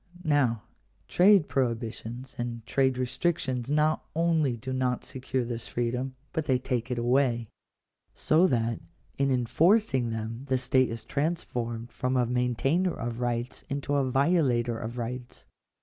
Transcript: Now trade prohibitions and trade restrictions not only do not secure this freedom, but they take it away. So that in enforcing them the state is transformed from a maintainer of rights into a violator of rights.